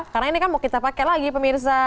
karena ini kan mau kita pakai lagi pemirsa